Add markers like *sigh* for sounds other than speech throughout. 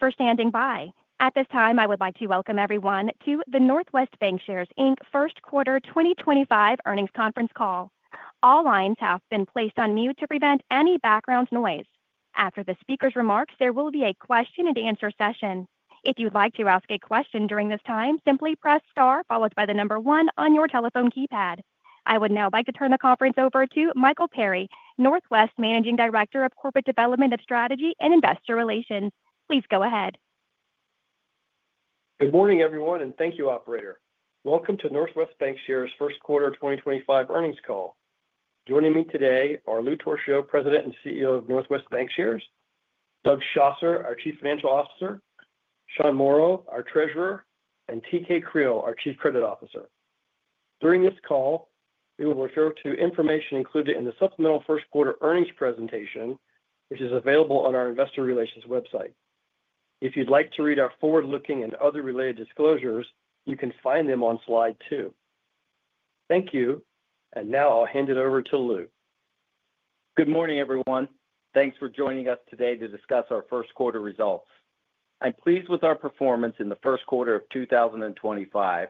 Thank you for standing by. At this time, I would like to welcome everyone to the Northwest Bancshares First Quarter 2025 Earnings Conference Call. All lines have been placed on mute to prevent any background noise. After the speaker's remarks, there will be a Q&A session. If you'd like to ask a question during this time, simply press star followed by the number one on your telephone keypad. I would now like to turn the conference over to Michael Perry, Northwest Managing Director of Corporate Development and Strategy and Investor Relations. Please go ahead. Good morning everyone and thank you, Operator. Welcome to Northwest Bancshares First Quarter 2025 Earnings Call. Joining me today are Lou Torchio, President and CEO of Northwest Bancshares; Doug Schosser, our Chief Financial Officer; Sean Morrow, our Treasurer; and TK Creal, our Chief Credit Officer. During this call, we will refer to information included in the Supplemental First Quarter Earnings Presentation, which is available on our investor relations website. If you'd like to read our forward-looking and other related disclosures, you can find them on slide two. Thank you, and now I'll hand it over to Lou. Good morning, everyone. Thanks for joining us today to discuss our first quarter results. I'm pleased with our performance in the first quarter of 2025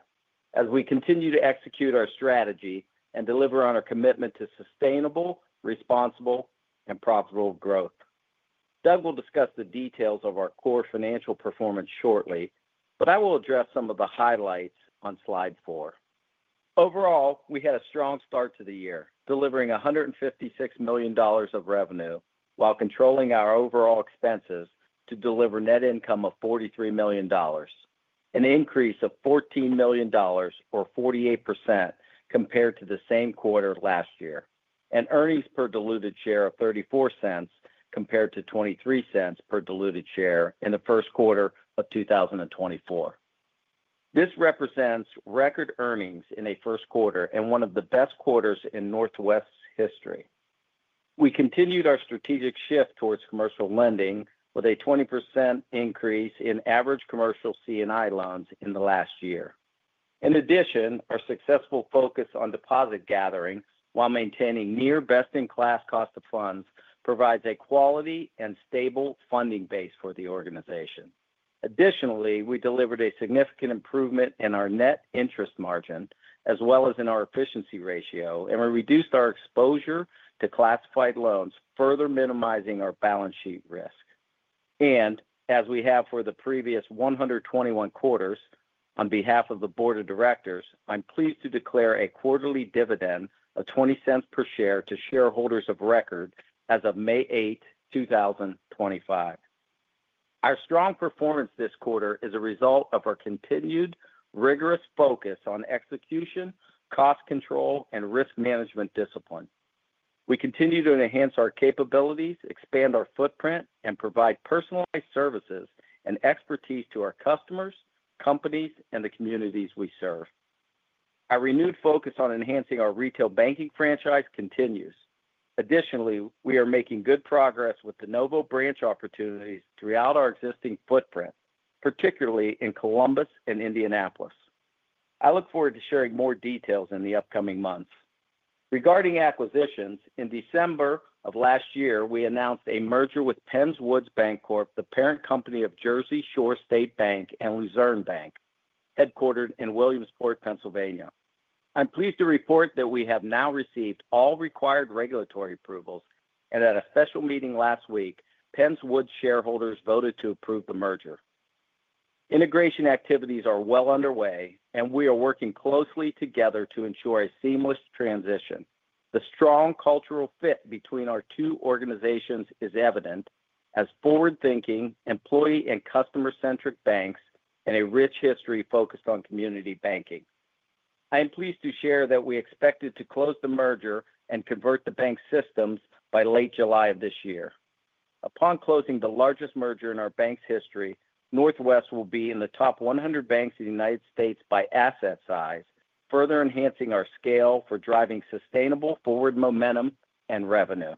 as we continue to execute our strategy and deliver on our commitment to sustainable, responsible, and profitable growth. Doug will discuss the details of our core financial performance shortly, but I will address some of the highlights on slide four. Overall, we had a strong start to the year, delivering $156 million of revenue while controlling our overall expenses to deliver net income of $43 million an increase of $14 million to 48%, compared to the same quarter last year, and earnings per diluted share of $0.34 compared to $0.23 per diluted share in the first quarter of 2024. This represents record earnings in a first quarter and one of the best quarters in Northwest's history. We continued our strategic shift towards commercial lending with a 20% increase in average commercial C&I loans in the last year. In addition, our successful focus on deposit gathering while maintaining near best-in-class cost of funds provides a quality and stable funding base for the organization. Additionally, we delivered a significant improvement in our net interest margin as well as in our efficiency ratio, and we reduced our exposure to classified loans, further minimizing our balance sheet risk. As we have for the previous 121 quarters, on behalf of the Board of Directors, I'm pleased to declare a quarterly dividend of $0.20 per share to shareholders of record as of May 8, 2025. Our strong performance this quarter is a result of our continued rigorous focus on execution, cost control, and risk management discipline. We continue to enhance our capabilities, expand our footprint, and provide personalized services and expertise to our customers, companies, and the communities we serve. Our renewed focus on enhancing our retail banking franchise continues. Additionally, we are making good progress with the Novo branch opportunities throughout our existing footprint, particularly in Columbus and Indianapolis. I look forward to sharing more details in the upcoming months. Regarding acquisitions, in December of last year, we announced a merger with Penns Woods Bancorp, the parent company of Jersey Shore State Bank and Luzerne Bank, headquartered in Williamsport, Pennsylvania. I'm pleased to report that we have now received all required regulatory approvals, and at a special meeting last week, Penns Woods shareholders voted to approve the merger. Integration activities are well underway, and we are working closely together to ensure a seamless transition. The strong cultural fit between our two organizations is evident as forward-thinking, employee and customer-centric banks and a rich history focused on community banking. I am pleased to share that we expect to close the merger and convert the bank systems by late July of this year. Upon closing the largest merger in our bank's history, Northwest will be in the top 100 banks in the United States by asset size, further enhancing our scale for driving sustainable forward momentum and revenue.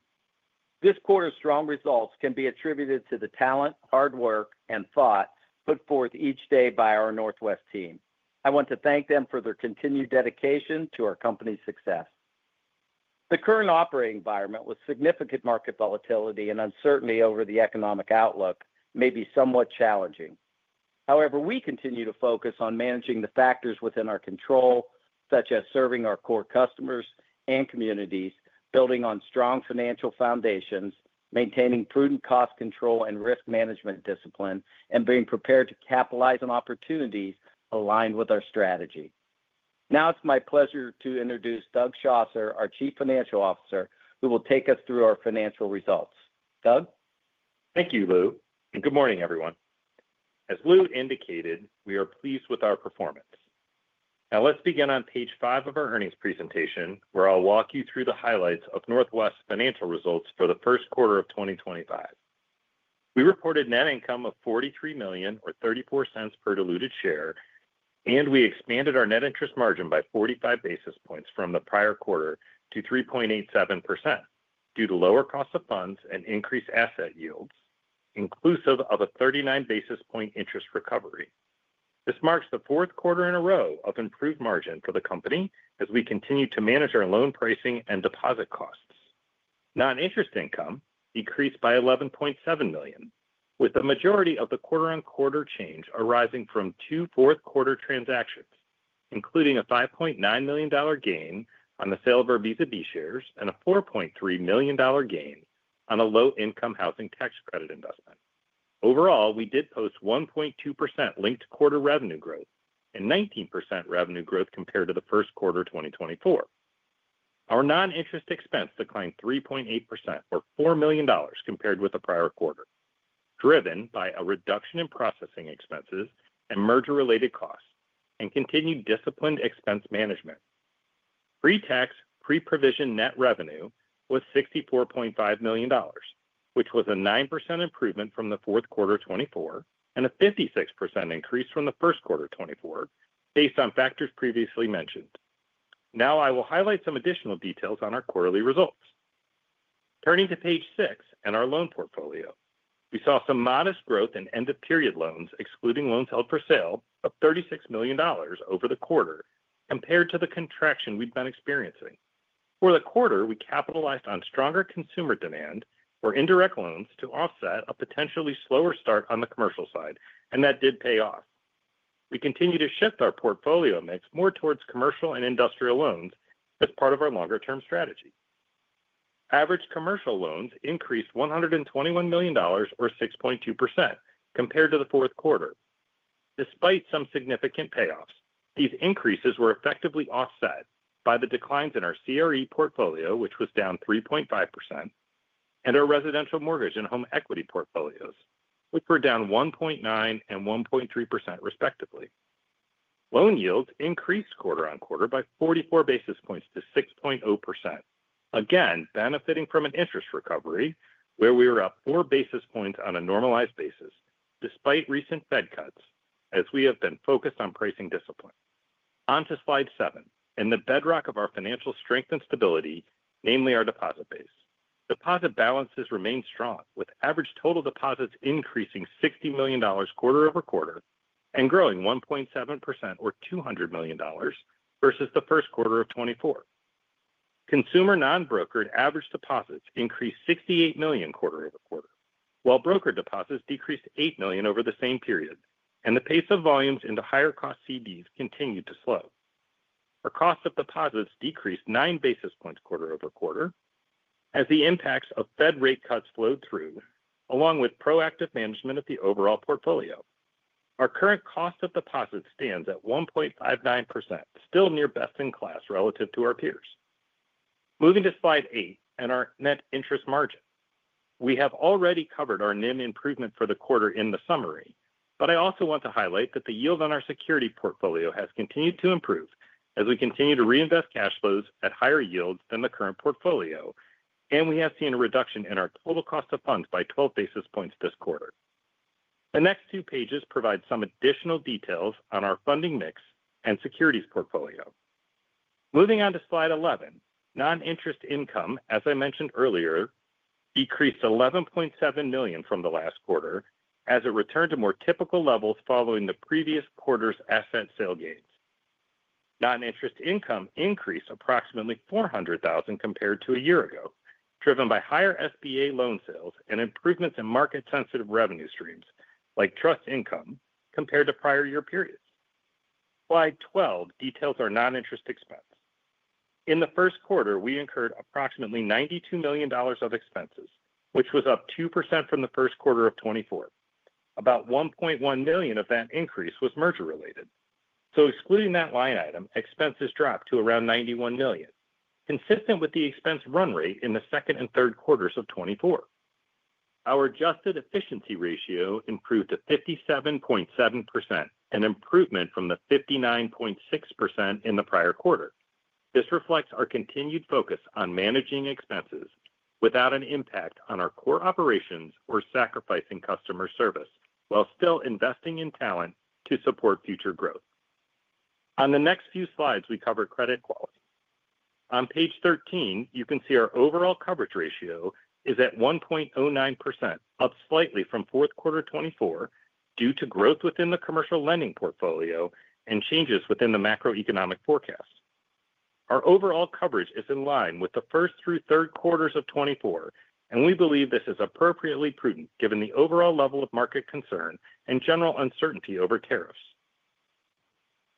This quarter's strong results can be attributed to the talent, hard work, and thought put forth each day by our Northwest team. I want to thank them for their continued dedication to our company's success. The current operating environment, with significant market volatility and uncertainty over the economic outlook, may be somewhat challenging. However, we continue to focus on managing the factors within our control, such as serving our core customers and communities, building on strong financial foundations, maintaining prudent cost control and risk management discipline, and being prepared to capitalize on opportunities aligned with our strategy. Now it's my pleasure to introduce Doug Schosser, our Chief Financial Officer, who will take us through our financial results. Doug? Thank you Lou. Good morning, everyone. As Lou indicated, we are pleased with our performance. Now let's begin on page five of our earnings presentation, where I'll walk you through the highlights of Northwest's financial results for the first quarter of 2025. We reported net income of $43 million or $0.34 per diluted share, and we expanded our net interest margin by 45 basis points from the prior quarter to 3.87% due to lower cost of funds and increased asset yields, inclusive of a 39 basis point interest recovery. This marks the fourth quarter in a row of improved margin for the company as we continue to manage our loan pricing and deposit costs. Non-interest income decreased by $11.7 million, with the majority of the quarter-on-quarter change arising from two fourth-quarter transactions, including a $5.9 million gain on the sale of our Visa B shares and a $4.3 million gain on a low-income housing tax credit investment. Overall, we did post 1.2% linked quarter revenue growth and 19% revenue growth compared to the first quarter of 2024. Our non-interest expense declined 3.8% or $4 million, compared with the prior quarter, driven by a reduction in processing expenses and merger-related costs and continued disciplined expense management. Pre-tax, pre-provision net revenue was $64.5 million, which was a 9% improvement from the fourth quarter of 2024 and a 56% increase from the first quarter of 2024 based on factors previously mentioned. Now I will highlight some additional details on our quarterly results. Turning to page six and our loan portfolio, we saw some modest growth in end-of-period loans, excluding loans held for sale, of $36 million over the quarter compared to the contraction we have been experiencing. For the quarter, we capitalized on stronger consumer demand for indirect loans to offset a potentially slower start on the commercial side, and that did pay off. We continue to shift our portfolio mix more towards commercial and industrial loans as part of our longer-term strategy. Average commercial loans increased $121 million or 6.2%, compared to the fourth quarter. Despite some significant payoffs, these increases were effectively offset by the declines in our commercial real estate portfolio, which was down 3.5%, and our residential mortgage and home equity portfolios, which were down 1.9% and 1.3%, respectively. Loan yields increased quarter on quarter by 44 basis points to 6.0%, again benefiting from an interest recovery where we were up four basis points on a normalized basis despite recent Fed cuts as we have been focused on pricing discipline. On to slide seven, in the bedrock of our financial strength and stability, namely our deposit base. Deposit balances remained strong, with average total deposits increasing $60 million quarter over quarter and growing 1.7% or $200 million versus the first quarter of 2024. Consumer non-brokered average deposits increased $68 million quarter over quarter, while brokered deposits decreased $8 million over the same period, and the pace of volumes into higher-cost CDs continued to slow. Our cost of deposits decreased 9 basis points quarter over quarter as the impacts of Fed rate cuts flowed through, along with proactive management of the overall portfolio. Our current cost of deposits stands at 1.59%, still near best-in-class relative to our peers. Moving to slide eight and our net interest margin. We have already covered our net improvement for the quarter in the summary, but I also want to highlight that the yield on our security portfolio has continued to improve as we continue to reinvest cash flows at higher yields than the current portfolio, and we have seen a reduction in our total cost of funds by 12 basis points this quarter. The next two pages provide some additional details on our funding mix and securities portfolio. Moving on to slide 11, non-interest income as I mentioned earlier, decreased $11.7 million from the last quarter as it returned to more typical levels following the previous quarter's asset sale gains. Non-interest income increased approximately $400,000 compared to a year ago, driven by higher SBA loan sales and improvements in market-sensitive revenue streams like trust income compared to prior year periods. Slide 12 details our non-interest expense. In the first quarter, we incurred approximately $92 million of expenses, which was up 2% from the first quarter of 2024. About $1.1 million of that increase was merger-related. Excluding that line item, expenses dropped to around $91 million, consistent with the expense run rate in the second and third quarters of 2024. Our adjusted efficiency ratio improved to 57.7%, an improvement from the 59.6% in the prior quarter. This reflects our continued focus on managing expenses without an impact on our core operations or sacrificing customer service while still investing in talent to support future growth. On the next few slides, we cover credit quality. On page 13, you can see our overall coverage ratio is at 1.09%, up slightly from fourth quarter 2024 due to growth within the commercial lending portfolio and changes within the macroeconomic forecast. Our overall coverage is in line with the first through third quarters of 2024, and we believe this is appropriately prudent given the overall level of market concern and general uncertainty over tariffs.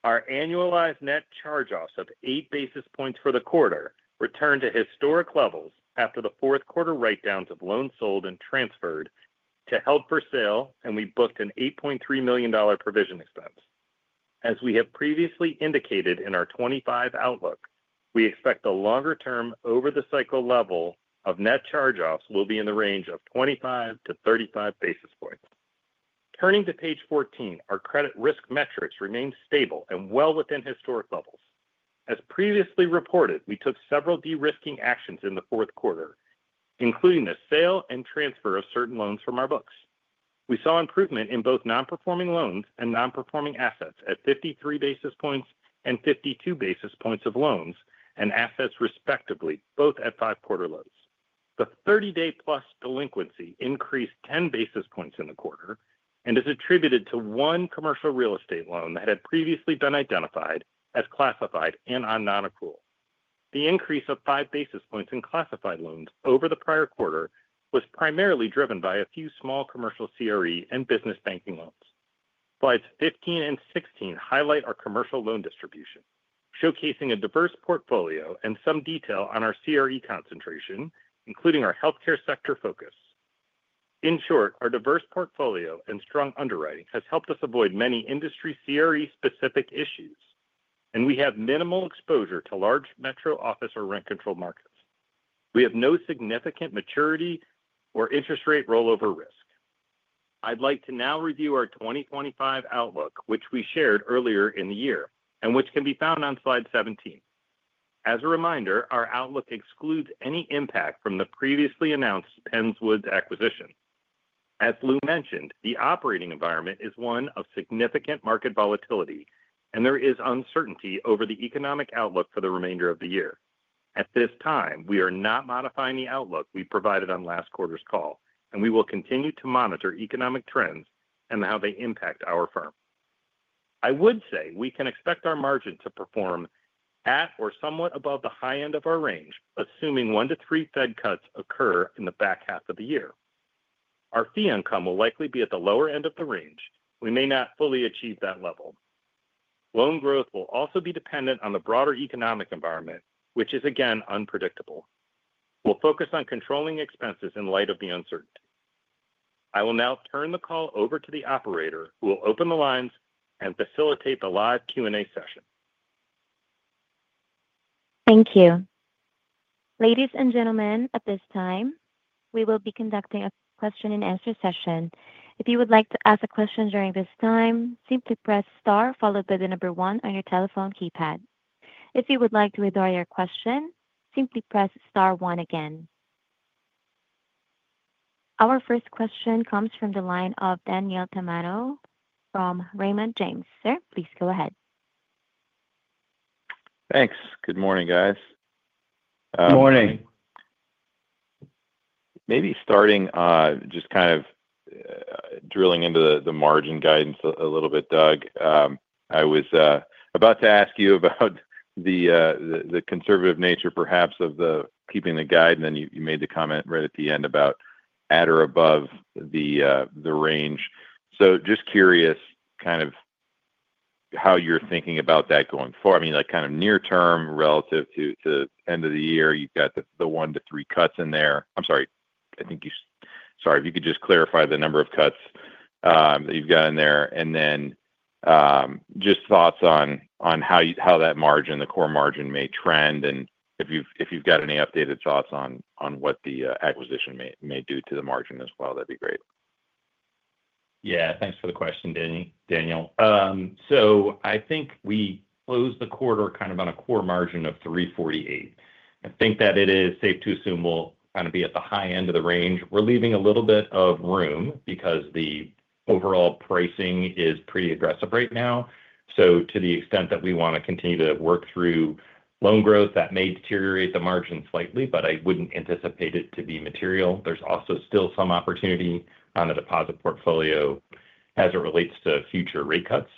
Our annualized net charge-offs of 8 basis points for the quarter returned to historic levels after the fourth quarter write-downs of loans sold and transferred to held for sale, and we booked an $8.3 million provision expense. As we have previously indicated in our 2025 outlook, we expect the longer-term over-the-cycle level of net charge-offs will be in the range of 25-35 basis points. Turning to page 14, our credit risk metrics remain stable and well within historic levels. As previously reported, we took several de-risking actions in the fourth quarter, including the sale and transfer of certain loans from our books. We saw improvement in both non-performing loans and non-performing assets at 53 basis points and 52 basis points of loans and assets, respectively, both at five-quarter lows. The 30-day plus delinquency increased 10 basis points in the quarter and is attributed to one commercial real estate loan that had previously been identified as classified and on non-accrual. The increase of 5 basis points in classified loans over the prior quarter was primarily driven by a few small commercial CRE and business banking loans. Slides 15 and 16 highlight our commercial loan distribution, showcasing a diverse portfolio and some detail on our CRE concentration, including our healthcare sector focus. In short, our diverse portfolio and strong underwriting has helped us avoid many industry CRE-specific issues, and we have minimal exposure to large metro office or rent-controlled markets. We have no significant maturity or interest rate rollover risk. I'd like to now review our 2025 outlook, which we shared earlier in the year and which can be found on slide 17. As a reminder, our outlook excludes any impact from the previously announced Penns Woods acquisition. As Lou mentioned, the operating environment is one of significant market volatility, and there is uncertainty over the economic outlook for the remainder of the year. At this time, we are not modifying the outlook we provided on last quarter's call, and we will continue to monitor economic trends and how they impact our firm. I would say we can expect our margin to perform at or somewhat above the high end of our range, assuming one to three fed cuts occur in the back half of the year. Our fee income will likely be at the lower end of the range. We may not fully achieve that level. Loan growth will also be dependent on the broader economic environment, which is again unpredictable. We'll focus on controlling expenses in light of the uncertainty. I will now turn the call over to the operator, who will open the lines and facilitate the live Q&A session. Thank you. Ladies and gentlemen, at this time, we will be conducting a Q&A session. If you would like to ask a question during this time, simply press star followed by the number one on your telephone keypad. If you would like to withdraw your question, simply press star one again. Our first question comes from the line of Daniel Tamayo from Raymond James. Sir, please go ahead. Thanks. Good morning, guys. Good morning. Maybe starting just kind of drilling into the margin guidance a little bit, Doug, I was about to ask you about the conservative nature, perhaps, of keeping the guide, and then you made the comment right at the end about at or above the range. Just curious kind of how you're thinking about that going forward. I mean, like kind of near-term relative to the end of the year, you've got the one to three cuts in there. I'm sorry. I think you sorry. If you could just clarify the number of cuts that you've got in there, and then just thoughts on how that margin the core margin, may trend and if you've got any updated thoughts on what the acquisition may do to the margin as well, that'd be great. Yeah. Thanks for the question, Daniel. I think we closed the quarter kind of on a core margin of 3.48. I think that it is safe to assume we'll kind of be at the high end of the range. We're leaving a little bit of room because the overall pricing is pretty aggressive right now. To the extent that we want to continue to work through loan growth, that may deteriorate the margin slightly, but I wouldn't anticipate it to be material. There's also still some opportunity on the deposit portfolio as it relates to future rate cuts.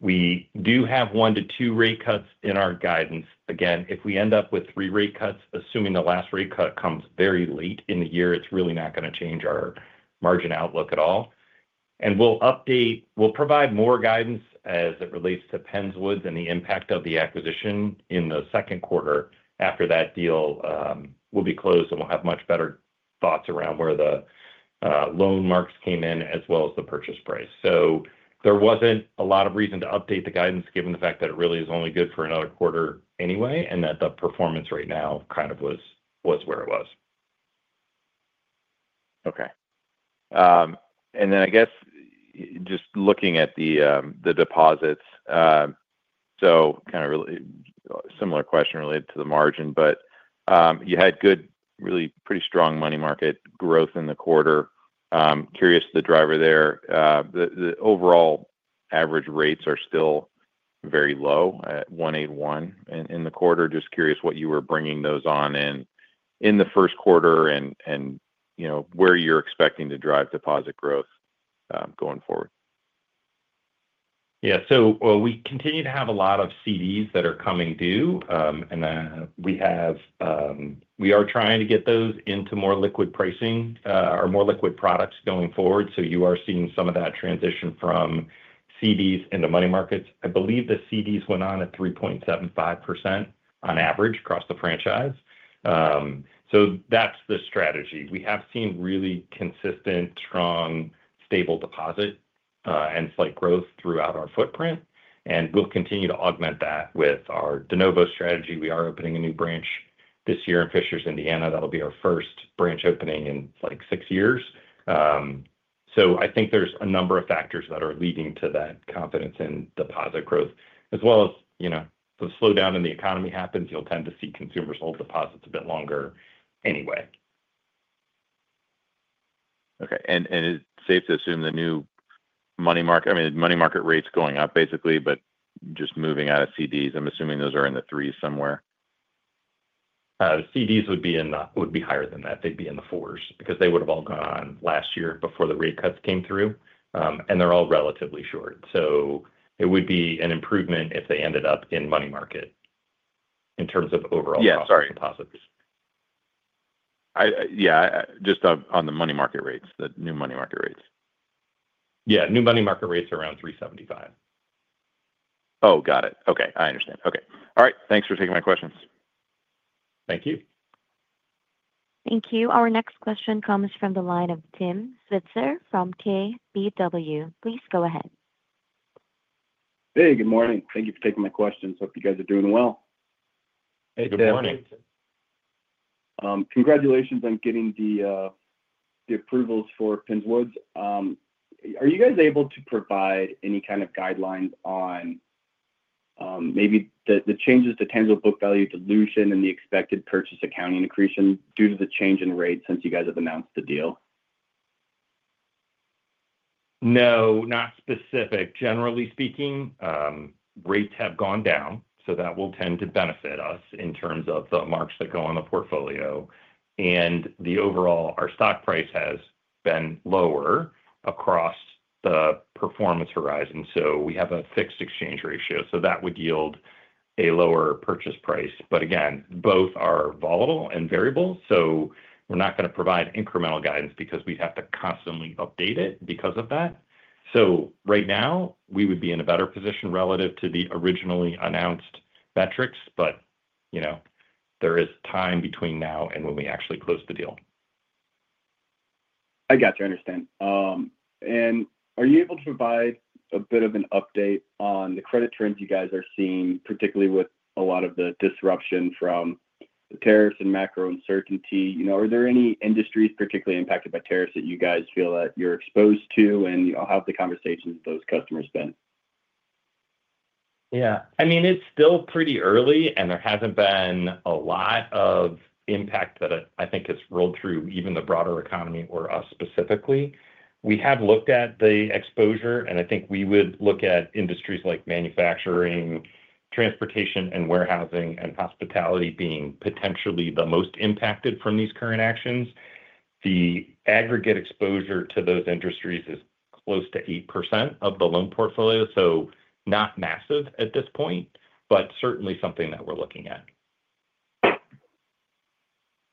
We do have one to two rate cuts in our guidance. Again, if we end up with three rate cuts, assuming the last rate cut comes very late in the year, it's really not going to change our margin outlook at all. We will provide more guidance as it relates to Penns Woods and the impact of the acquisition in the second quarter after that deal will be closed, and we will have much better thoughts around where the loan marks came in as well as the purchase price. There was not a lot of reason to update the guidance given the fact that it really is only good for another quarter anyway, and that the performance right now kind of was where it was. Okay. I guess just looking at the deposits, kind of a similar question related to the margin, but you had good, really pretty strong money market growth in the quarter. Curious the driver there. The overall average rates are still very low at 1.81 in the quarter. Just curious what you were bringing those on in the first quarter and where you're expecting to drive deposit growth going forward. Yeah. We continue to have a lot of CDs that are coming due, and we are trying to get those into more liquid pricing or more liquid products going forward. You are seeing some of that transition from CDs into money markets. I believe the CDs went on at 3.75% on average across the franchise. That is the strategy. We have seen really consistent strong, stable deposit and slight growth throughout our footprint, and we will continue to augment that with our De Novo strategy. We are opening a new branch this year in Fishers, Indiana. That will be our first branch opening in like six years. I think there are a number of factors that are leading to that confidence in deposit growth, as well as the slowdown in the economy happens, you will tend to see consumers hold deposits a bit longer anyway. Okay. It is safe to assume the new money market, I mean, money market rates going up basically, but just moving out of CDs, I am assuming those are in the threes somewhere. CDs would be higher than that. They'd be in the fours because they would have all gone on last year before the rate cuts came through, and they're all relatively short. It would be an improvement if they ended up in money market in terms of overall cost of deposits. Yeah. Sorry. Yeah. Just on the money market rates, the new money market rates. Yeah. New money market rates are around 3.75. Oh, got it. Okay. I understand. Okay. All right. Thanks for taking my questions. Thank you. Thank you. Our next question comes from the line of Tim Switzer from KBW. Please go ahead. Hey, good morning. Thank you for taking my questions. Hope you guys are doing well. Hey, good morning. Congratulations on getting the approvals for Penns Woods. Are you guys able to provide any kind of guidelines on maybe the changes to tangible book value dilution and the expected purchase accounting accretion due to the change in rates since you guys have announced the deal? No, not specific. Generally speaking, rates have gone down, so that will tend to benefit us in terms of the marks that go on the portfolio. The overall, our stock price has been lower across the performance horizon. We have a fixed exchange ratio. That would yield a lower purchase price. Again, both are volatile and variable. We are not going to provide incremental guidance because we would have to constantly update it because of that. Right now, we would be in a better position relative to the originally announced metrics, but there is time between now and when we actually close the deal. I got you. I understand. Are you able to provide a bit of an update on the credit trends you guys are seeing, particularly with a lot of the disruption from the tariffs and macro uncertainty? Are there any industries particularly impacted by tariffs that you guys feel that you're exposed to, and how have the conversations with those customers been? Yeah. I mean, it's still pretty early, and there hasn't been a lot of impact that I think has rolled through even the broader economy or us specifically. We have looked at the exposure, and I think we would look at industries like manufacturing, transportation, and warehousing and hospitality being potentially the most impacted from these current actions. The aggregate exposure to those industries is close to 8% of the loan portfolio, so not massive at this point, but certainly something that we're looking at.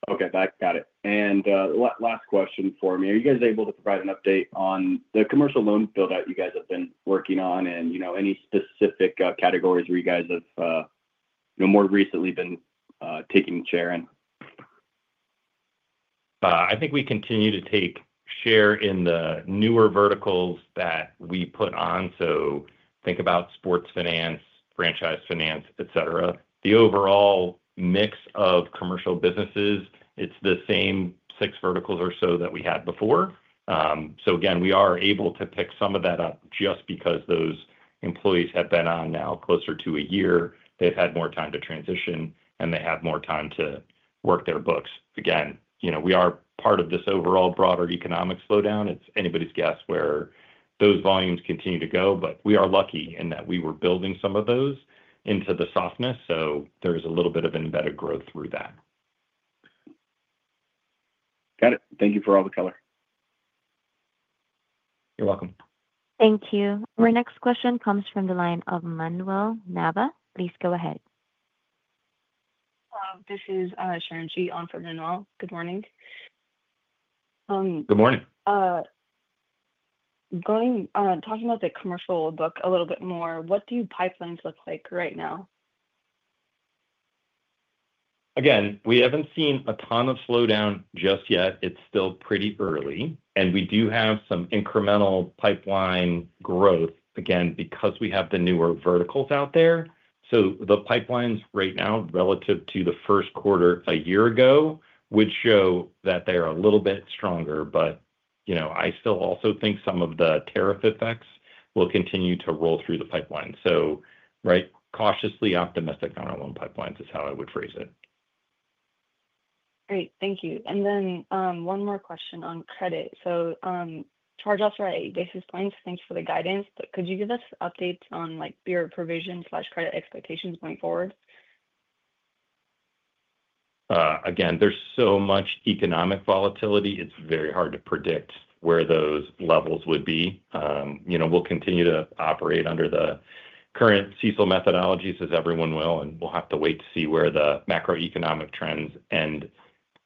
Okay. Got it. Last question for me. Are you guys able to provide an update on the commercial loan buildout you guys have been working on and any specific categories where you guys have more recently been taking a share in? I think we continue to take share in the newer verticals that we put on. Think about sports finance, franchise finance, etc. The overall mix of commercial businesses, it is the same six verticals or so that we had before. Again, we are able to pick some of that up just because those employees have been on now closer to a year. They have had more time to transition, and they have more time to work their books. Again, we are part of this overall broader economic slowdown. It is anybody's guess where those volumes continue to go, but we are lucky in that we were building some of those into the softness, so there is a little bit of embedded growth through that. Got it. Thank you for all the call. You're welcome. Thank you. Our next question comes from the line of Manuel Navas. Please go ahead. This is Sharon G. on for Manuel Navas. Good morning. Good morning. Talking about the commercial book a little bit more, what do pipelines look like right now? Again, we haven't seen a ton of slowdown just yet. It's still pretty early, and we do have some incremental pipeline growth, again, because we have the newer verticals out there. The pipelines right now relative to the first quarter a year ago would show that they're a little bit stronger, but I still also think some of the tariff effects will continue to roll through the pipeline. Cautiously optimistic on our loan pipelines is how I would phrase it. Great. Thank you. One more question on credit. Charge-offs, right. This is fine. Thanks for the guidance, but could you give us updates on your provision/credit expectations going forward? Again, there's so much economic volatility. It's very hard to predict where those levels would be. We'll continue to operate under the current CECL methodologies, as everyone will, and we'll have to wait to see where the macroeconomic trends end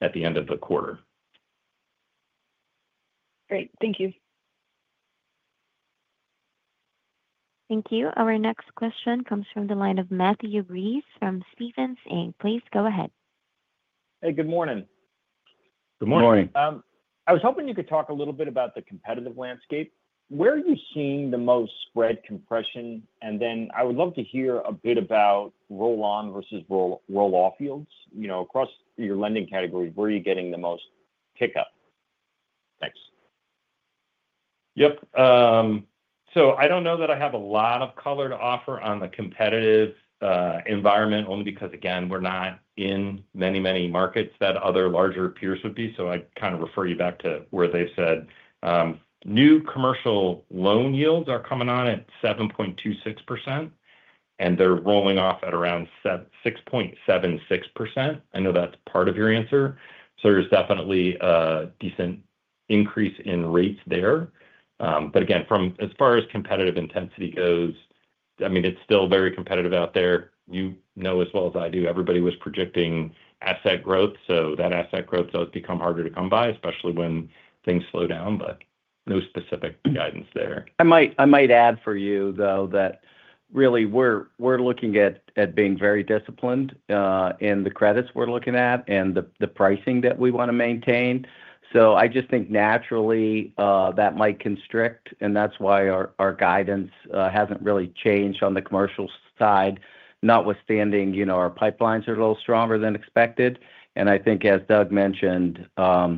at the end of the quarter. Great. Thank you. Thank you. Our next question comes from the line of Matthew Breese from Stephens Inc. Please go ahead. Hey, good morning. Good morning. Good morning. I was hoping you could talk a little bit about the competitive landscape. Where are you seeing the most spread compression? I would love to hear a bit about roll-on versus roll-off yields across your lending categories. Where are you getting the most pickup? Thanks. Yep. I do not know that I have a lot of color to offer on the competitive environment only because, again, we are not in many, many markets that other larger peers would be. I kind of refer you back to where they have said new commercial loan yields are coming on at 7.26%, and they are rolling off at around 6.76%. I know that is part of your answer. There is definitely a decent increase in rates there. Again, as far as competitive intensity goes, I mean, it is still very competitive out there. You know as well as I do, everybody was projecting asset growth. That asset growth does become harder to come by, especially when things slow down, but no specific guidance there. I might add for you, though, that really we're looking at being very disciplined in the credits we're looking at and the pricing that we want to maintain. I just think naturally that might constrict, and that's why our guidance hasn't really changed on the commercial side, notwithstanding our pipelines are a little stronger than expected. I think, as Doug mentioned, what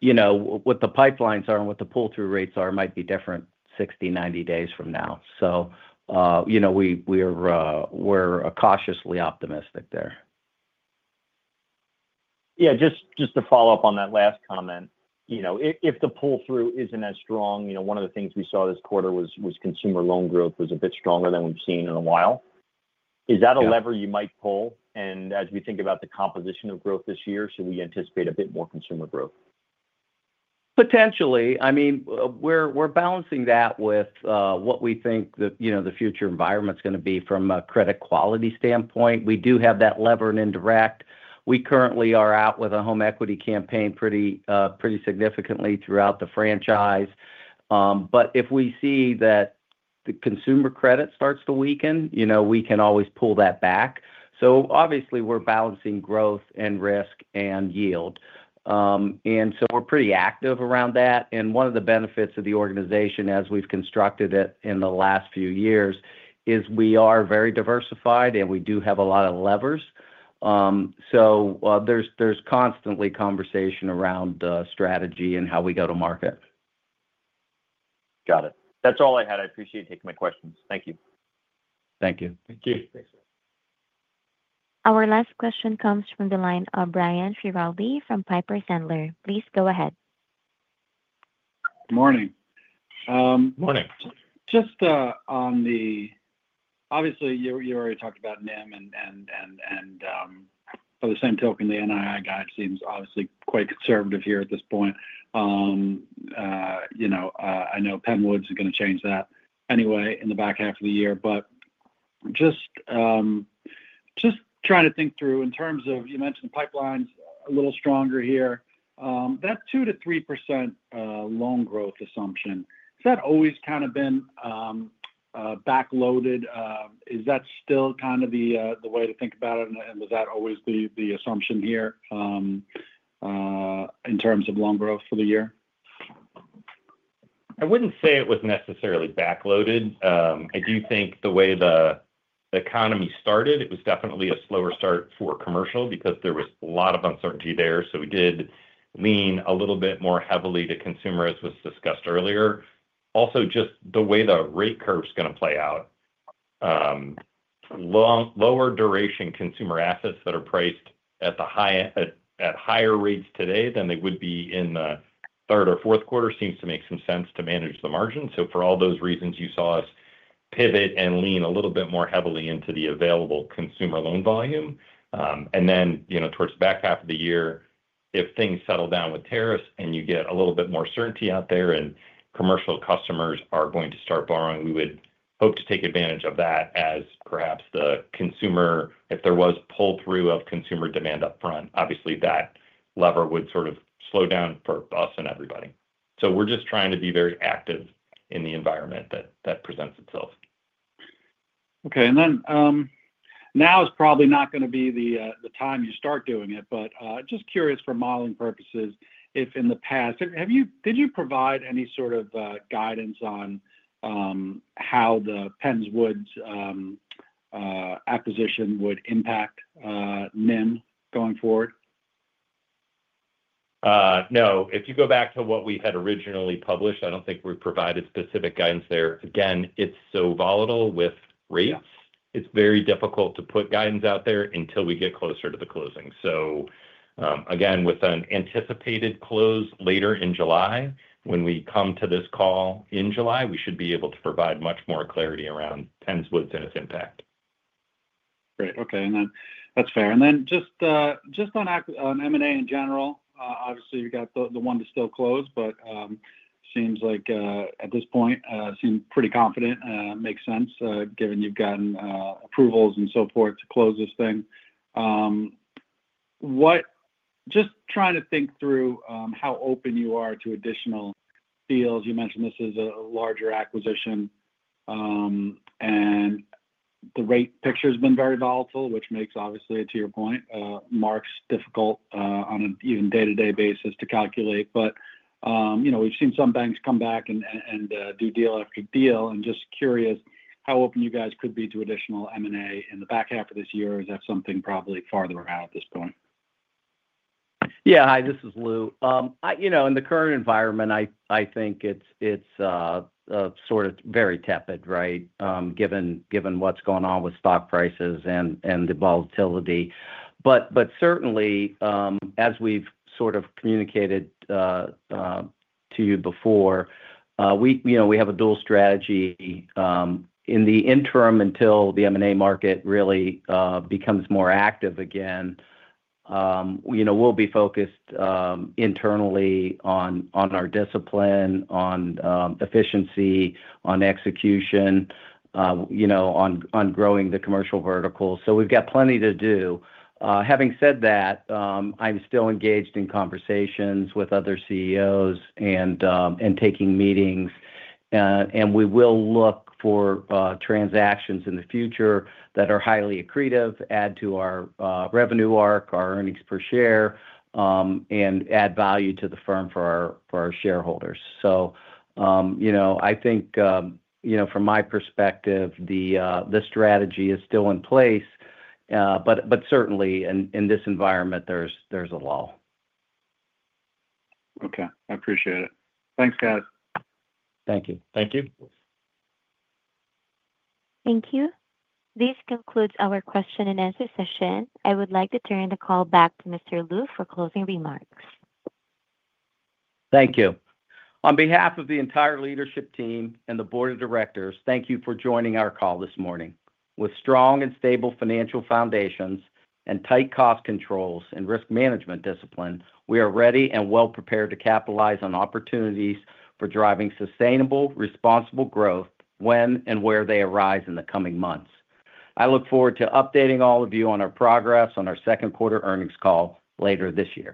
the pipelines are and what the pull-through rates are might be different 60-90 days from now. We're cautiously optimistic there. Yeah. Just to follow up on that last comment, if the pull-through isn't as strong, one of the things we saw this quarter was consumer loan growth was a bit stronger than we've seen in a while. Is that a lever you might pull? As we think about the composition of growth this year, should we anticipate a bit more consumer growth? Potentially. I mean, we're balancing that with what we think the future environment's going to be from a credit quality standpoint. We do have that lever and indirect. We currently are out with a home equity campaign pretty significantly throughout the franchise. If we see that the consumer credit starts to weaken, we can always pull that back. Obviously, we're balancing growth and risk and yield. We're pretty active around that. One of the benefits of the organization, as we've constructed it in the last few years, is we are very diversified, and we do have a lot of levers. There's constantly conversation around the strategy and how we go to market. Got it. That's all I had. I appreciate taking my questions. Thank you. Thank you. Thank you. Thanks, sir. Our last question comes from the line of Frank Schiraldi from Piper Sandler. Please go ahead. Good morning. Morning. Just on the obviously, you already talked about, *audio distortion* and by the same token, the NII guide seems obviously quite conservative here at this point. I know Penns Woods is going to change that anyway in the back half of the year. Just trying to think through in terms of you mentioned the pipelines a little stronger here. That 2-3% loan growth assumption, has that always kind of been backloaded? Is that still kind of the way to think about it? Was that always the assumption here in terms of loan growth for the year? I wouldn't say it was necessarily backloaded. I do think the way the economy started, it was definitely a slower start for commercial because there was a lot of uncertainty there. You know, we did lean a little bit more heavily to consumer, as was discussed earlier. Also, just the way the rate curve is going to play out, lower duration consumer assets that are priced at higher rates today than they would be in the third or fourth quarter seems to make some sense to manage the margin. For all those reasons, you saw us pivot and lean a little bit more heavily into the available consumer loan volume. Towards the back half of the year, if things settle down with tariffs and you get a little bit more certainty out there and commercial customers are going to start borrowing, we would hope to take advantage of that as perhaps the consumer, if there was pull-through of consumer demand upfront, obviously that lever would sort of slow down for us and everybody. We are just trying to be very active in the environment that presents itself. Okay. Now is probably not going to be the time you start doing it, but just curious for modeling purposes if in the past, did you provide any sort of guidance on how the Penns Woods acquisition would impact NIM going forward? No. If you go back to what we had originally published, I do not think we provided specific guidance there. Again, it is so volatile with rates. It is very difficult to put guidance out there until we get closer to the closing. Again, with an anticipated close later in July, when we come to this call in July, we should be able to provide much more clarity around Penns Woods and its impact. Great. Okay. That is fair. Just on M&A in general, obviously, you have the one to still close, but seems like at this point, seem pretty confident. Makes sense given you have gotten approvals and so forth to close this thing. Just trying to think through how open you are to additional deals. You mentioned this is a larger acquisition, and the rate picture has been very volatile, which makes, obviously, to your point, marks difficult on an even day-to-day basis to calculate. We have seen some banks come back and do deal after deal. Just curious how open you guys could be to additional M&A in the back half of this year. Is that something probably farther ahead at this point? Yeah. Hi, this is Lou. In the current environment, I think it's sort of very tepid, right, given what's going on with stock prices and the volatility. Certainly, as we've sort of communicated to you before, we have a dual strategy. In the interim, until the M&A market really becomes more active again, we'll be focused internally on our discipline, on efficiency, on execution, on growing the commercial vertical. We've got plenty to do. Having said that, I'm still engaged in conversations with other CEOs and taking meetings. We will look for transactions in the future that are highly accretive, add to our revenue arc, our earnings per share, and add value to the firm for our shareholders. I think from my perspective, the strategy is still in place, but certainly in this environment, there's a lull. Okay. I appreciate it. Thanks, guys. Thank you. Thank you. Thank you. This concludes our Q&A session. I would like to turn the call back to Mr. Lou for closing remarks. Thank you. On behalf of the entire leadership team and the board of directors, thank you for joining our call this morning. With strong and stable financial foundations and tight cost controls and risk management discipline, we are ready and well prepared to capitalize on opportunities for driving sustainable, responsible growth when and where they arise in the coming months. I look forward to updating all of you on our progress on our second quarter earnings call later this year.